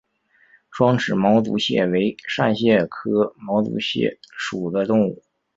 双齿毛足蟹为扇蟹科毛足蟹属的动物。